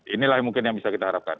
inilah mungkin yang bisa kita harapkan